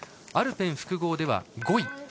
アルペン複合では５位。